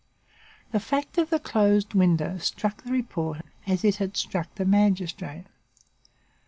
The fact of the closed window struck the reporter as it had struck the magistrate.